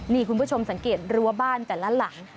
นี่คุณผู้ชมสังเกตรมารั่วบ้านกันแล้วหลัง